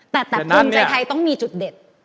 แต่ภูมิใจไทยต้องมีจุดเด็ด